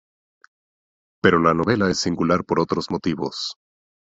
Pero la novela es singular por otros motivos.